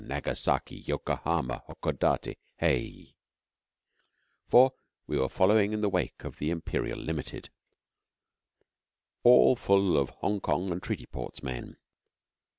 Nagasaki, Yokohama, Hakodate, Heh!' for we were following in the wake of the Imperial Limited, all full of Hongkong and Treaty Ports men.